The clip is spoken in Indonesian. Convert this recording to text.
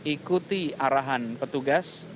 ikuti arahan petugas